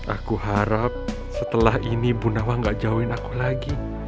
aku harap setelah ini bu nawa gak jauhin aku lagi